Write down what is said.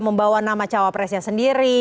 membawa nama cawapresnya sendiri